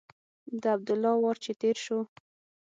د عبدالله وار چې تېر شو.